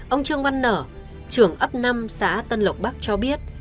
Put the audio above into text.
ông trương văn nở trưởng ấp năm xã tân lộc bắc cho biết